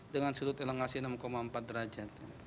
dengan sudut elongasi enam empat derajat